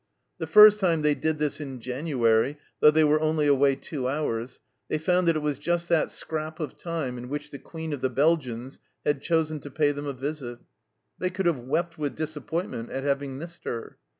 The first time they did this in January, though they were only away two hours, they found that it was just that scrap of time in which the Queen of the Belgians had chosen to pay them a visit. They could have wept with disappointment at having missed her.